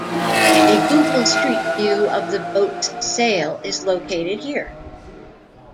A Google Street View of the boat's sail is located here.